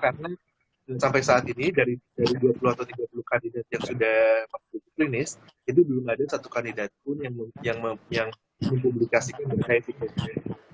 karena sampai saat ini dari dua puluh atau tiga puluh kandidat yang sudah masuk uji klinis itu belum ada satu kandidat pun yang mempublikasikan berkait dengan covid sembilan belas